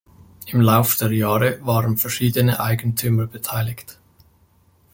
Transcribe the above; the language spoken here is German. Im Lauf der Jahre waren verschiedene Eigentümer beteiligt.